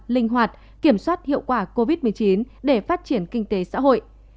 linh hoạt kiểm soát hiệu quả covid một mươi chín để phát triển kinh tế xã hội